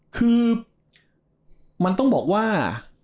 คือมันต้องบอกว่า